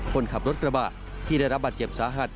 คนขับรถกระบะที่ได้รับบาดเจ็บสาหัส